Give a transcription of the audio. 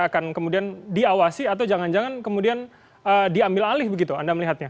akan kemudian diawasi atau jangan jangan kemudian diambil alih begitu anda melihatnya